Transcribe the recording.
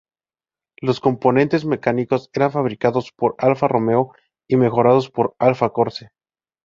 Los componentes mecánicos eran fabricados por Alfa Romeo y mejorados por Alfa Corse.